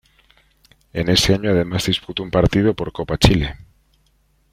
En ese año además disputó un partido por Copa Chile.